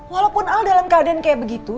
walaupun al dalam keadaan kayak begitu